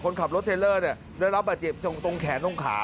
คนขับรถเทลเลอร์ได้รับบาดเจ็บตรงแขนตรงขา